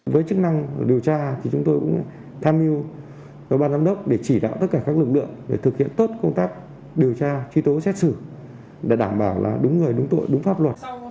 với chức năng điều tra thì chúng tôi cũng tham hiu vào ban giám đốc để chỉ đạo tất cả các lực lượng để thực hiện tốt công tác điều tra truy tố xét xử để đảm bảo là đúng người đúng tội đúng pháp luật